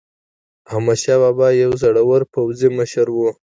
احمدشاه بابا یو زړور پوځي مشر و.